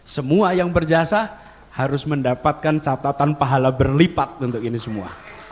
semua yang berjasa harus mendapatkan catatan pahala berlipat untuk ini semua